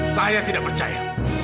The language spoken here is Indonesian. saya tidak percaya